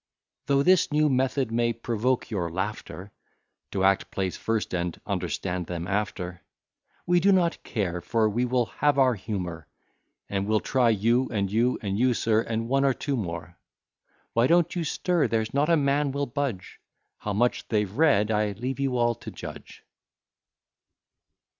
Though this new method may provoke your laughter, To act plays first, and understand them after; We do not care, for we will have our humour, And will try you, and you, and you, sir, and one or two more. Why don't you stir? there's not a man will budge; How much they've read, I leave you all to judge.